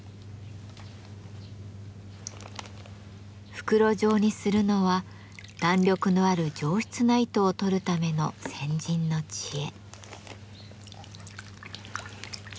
袋状にするのは弾力のある上質な糸をとるための先人の知恵。